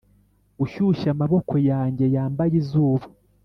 gushyushya amaboko yanjye yambaye izuba,